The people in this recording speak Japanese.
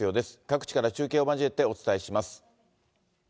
各地から中継を交えてお伝えします。